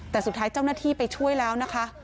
แต่สุดท้ายเจ้าหน้าที่ไปช่วยแล้วนะคะ